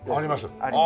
ありますね。